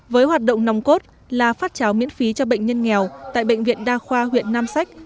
với hoạt động nòng cốt là phát cháo miễn phí cho bệnh nhân nghèo tại bệnh viện đa khoa huyện nam sách